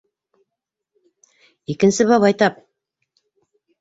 Икенсе бабай тап!